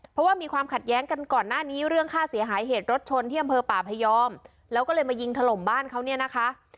เพราะว่ามีความขัดแย้งกันก่อนหน้านี้เรื่องค่าเสียหายเหตุรถชนที่อำเภอป่าพยอมแล้วก็เลยมายิงถล่มบ้านเขาเนี่ยนะคะ